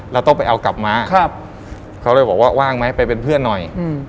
เราต้องไปเอากลับมาครับเขาเลยบอกว่าว่างไหมไปเป็นเพื่อนหน่อย